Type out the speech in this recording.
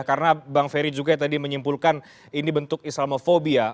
karena bang feri juga tadi menyimpulkan ini bentuk islamofobia